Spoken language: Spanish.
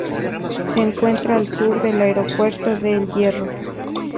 Se encuentra al sur del Aeropuerto de El Hierro.